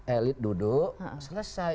elit duduk selesai